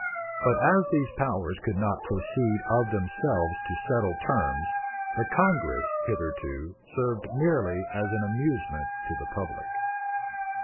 But as these powers could not proceed of themselves to settle terms, the congress, hitherto, served merely as an amusement to the public.